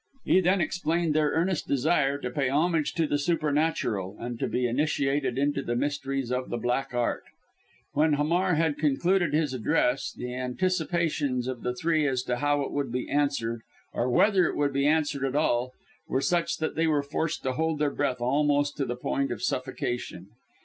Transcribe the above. He then explained their earnest desire to pay homage to the Supernatural, and to be initiated into the mysteries of the Black Art. When Hamar had concluded his address, the anticipations of the three as to how it would be answered, or whether it would be answered at all were such that they were forced to hold their breath almost to the point of suffocation.